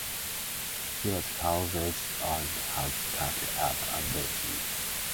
She was courageous and had tact and ability.